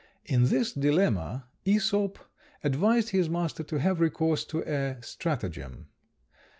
In this dilemma Æsop advised his master to have recourse to a stratagem.